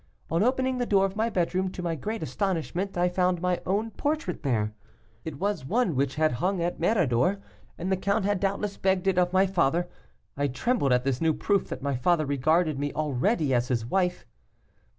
On opening the door of my bedroom, to my great astonishment I found my own portrait there. It was one which had hung at Méridor, and the count had doubtless begged it of my father. I trembled at this new proof that my father regarded me already as his wife.